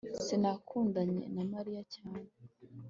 sinakundanye na mariya cyane